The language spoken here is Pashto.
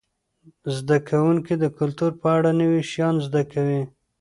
زده کوونکي د کلتور په اړه نوي شیان زده کوي.